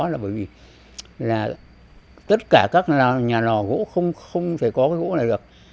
là bởi vì là tất cả các nhà lò gỗ không thể có cái gỗ này được